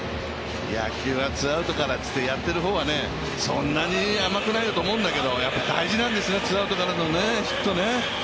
野球はツーアウトとからといって、そんなに甘くないよと思うんだけど、やっぱり大事なんですね、ツーアウトからのヒット。